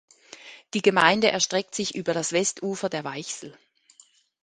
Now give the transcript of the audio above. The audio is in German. Die Gemeinde erstreckt sich über das Westufer der Weichsel.